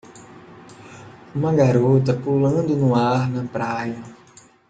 Uma garota pulando no ar na praia.